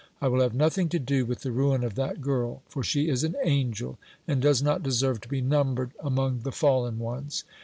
I will have nothing to do with the ruin of that girl ; for she is an angel, and does not deserve to be numbered among the fallen ones.